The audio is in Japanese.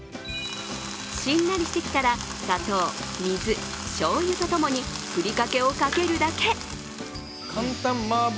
しんなりしてきたら砂糖、水、しょうゆとともにふりかけをかけるだけ。